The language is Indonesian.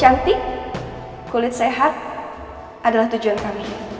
untuk semua orang yang sudah menikmati